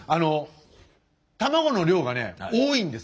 卵の量がね多いんです。